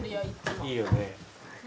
いいよね。